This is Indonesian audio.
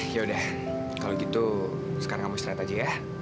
yaudah kalau gitu sekarang kamu setret aja ya